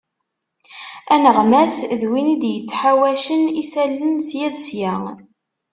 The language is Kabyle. Aneɣmas d win id-yettḥawacen isallen sya d sya.